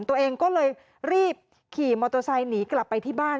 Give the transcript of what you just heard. ตัวเองก็เลยรีบขี่มอเตอร์ไซค์หนีกลับไปที่บ้าน